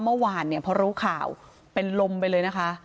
เมื่อวานเนี่ยพอรู้ข่าวเป็นลมไปเลยนะคะ